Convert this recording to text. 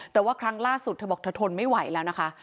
แต่ว่าครั้งล่าสุดเธอบอกเธอทนไม่ไหวแล้วนะคะ